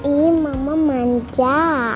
ih mama manja